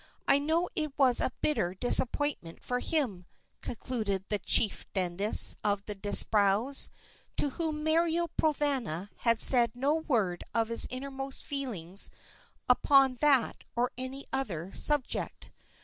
I know it was a bitter disappointment for him," concluded the chieftainess of the Disbrowes, to whom Mario Provana had said no word of his inmost feelings upon that or any other subject.